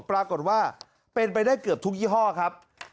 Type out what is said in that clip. ปรากฏว่าเป็นไปได้เกือบทุกยี่ห้อครับ